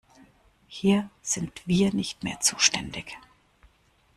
Hier sind wir nicht mehr zuständig.